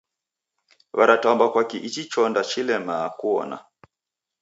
Waratambwa kwaki ichi chonda chilemaa kuona?